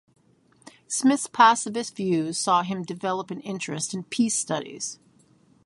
Smith's pacifist views saw him develop an interest in peace studies.